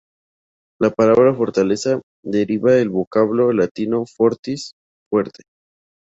La palabra fortaleza deriva del vocablo latino "fortis", "fuerte".